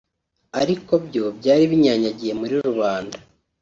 ariko byo byari binyanyagiye muri rubanda